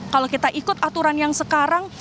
kalau kita ikut aturan yang sekarang